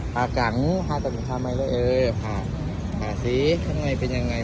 ผ่ากังผ่าตังค์ข้าวใหม่เลยเออผ่าผ่าสิข้างในเป็นยังไง